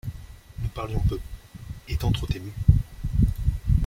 Nous parlions peu, étant trop émus.